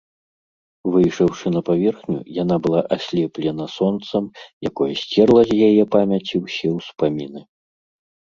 Выйшаўшы на паверхню, яна была аслеплена сонцам, якое сцерла з яе памяці ўсе ўспаміны.